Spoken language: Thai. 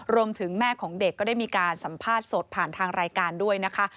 แม่ของเด็กก็ได้มีการสัมภาษณ์สดผ่านทางรายการด้วยนะคะ